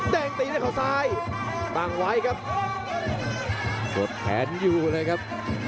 ่งตีด้วยเขาซ้ายตั้งไว้ครับกดแขนอยู่เลยครับ